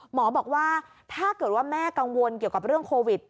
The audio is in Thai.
บอกว่าถ้าเกิดว่าแม่กังวลเกี่ยวกับเรื่องโควิด